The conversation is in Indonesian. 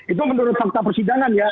itu menurut fakta persidangan ya